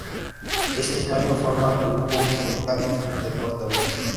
Ese mismo año forma el grupo "Contact", de corta vida.